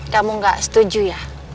kamu gak setuju ya